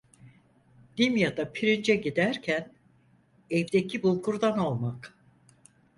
Dimyat'a pirince giderken evdeki bulgurdan olmak.